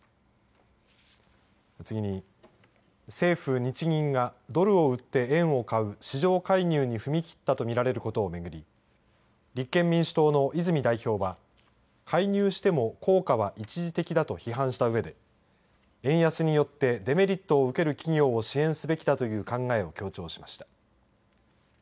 次に政府・日銀がドルを売って円を買う市場介入に踏み切ったと見られることをめぐり立憲民主党の泉代表は介入しても効果は一時的だと批判した上で円安によってデメリットを受ける企業を支援すべきだという考えを強調しました。